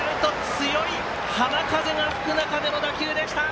強い浜風が吹く中での打球でした。